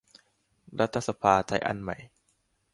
รัฐสภาไทยอันใหม่